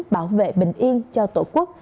bảo vệ bình yên cho tổ quốc